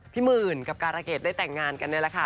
หมื่นกับการเกษได้แต่งงานกันนี่แหละค่ะ